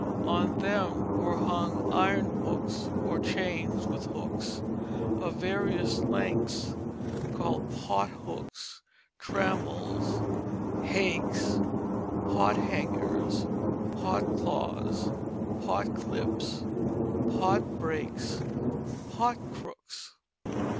On them were hung iron hooks or chains with hooks of various lengths called pothooks, trammels, hakes, pot hangers, pot claws, pot clips, pot brakes, pot crooks.